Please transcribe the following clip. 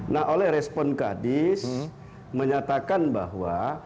nah oleh respon kadis menyatakan bahwa